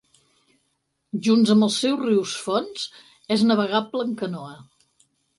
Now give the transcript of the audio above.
Junts amb els seus rius fonts és navegable amb canoa.